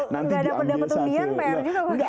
kalau gak dapet undian pr juga kok